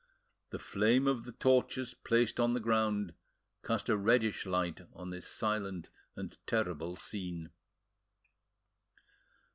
The flame of the torches placed on the ground cast a reddish light on this silent and terrible scene.